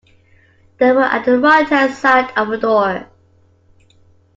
They were at the righthand side of the door.